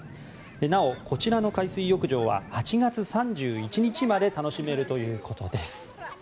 なお、こちらの海水浴場は８月３１日まで楽しめるということです。